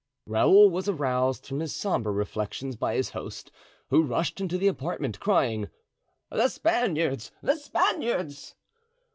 Raoul was aroused from his sombre reflections by his host, who rushed into the apartment crying out, "The Spaniards! the Spaniards!"